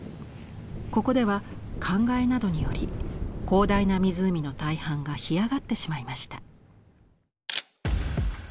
ここでは灌漑などにより広大な湖の大半が干上がってしまいました。